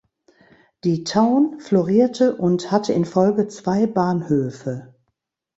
Die Town florierte und hatte in Folge zwei Bahnhöfe.